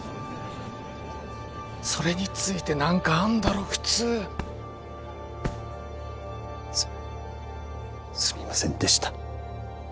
それについて何かあんだろ普通すすみませんでした